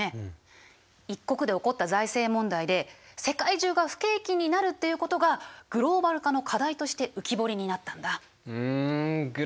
一国で起こった財政問題で世界中が不景気になるっていうことがグローバル化の課題として浮き彫りになったんだ。